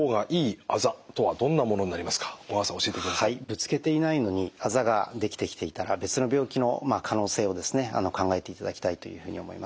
ぶつけていないのにあざができてきていたら別の病気の可能性をですね考えていただきたいというふうに思います。